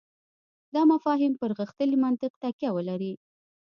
دا مفاهیم پر غښتلي منطق تکیه ولري.